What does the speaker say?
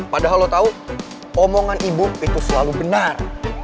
padahal lo tahu omongan ibu itu selalu benar